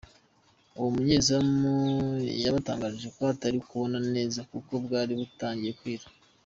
Uwo munyezamu yabatangarije ko atari kubona neza kuko bwari butangiye kwira.